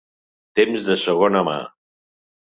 Temps de segona mà.